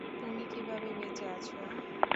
তুমি কীভাবে বেঁচে আছ?